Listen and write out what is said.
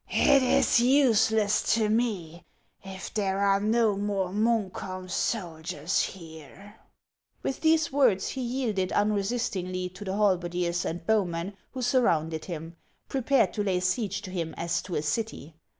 " It is useless to me if there are no more Munkholm soldiers here." With these words, he yielded unresistingly to the hal berdiers and bowmen who surrounded him, prepared to lay siege to him, as to a city.